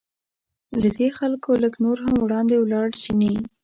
له دې خلکو لږ نور هم وړاندې ولاړ چیني.